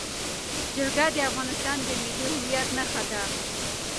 جلګه د افغانستان د ملي هویت نښه ده.